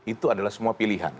itu adalah semua pilihan